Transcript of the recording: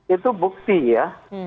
itu bukti ya